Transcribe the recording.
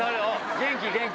元気？